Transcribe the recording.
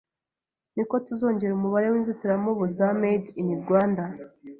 ni ko tuzongera umubare w’inzitiramubu za ‘Made in Rwanda’ ”.